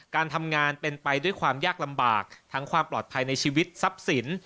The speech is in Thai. การทำงานเป็นไปด้วยความยากลำบากทั้งความปลอดภัยในชีวิตทรัพย์สิน